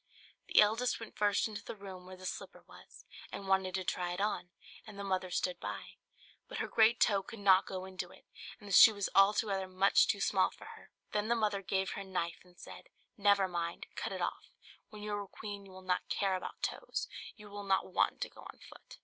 The eldest went first into the room where the slipper was, and wanted to try it on, and the mother stood by. But her great toe could not go into it, and the shoe was altogether much too small for her. Then the mother gave her a knife, and said, "Never mind, cut it off; when you are queen you will not care about toes, you will not want to go on foot."